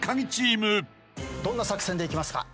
どんな作戦でいきますか？